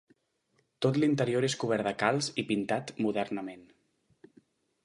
Tot l'interior és cobert de calç i pintat modernament.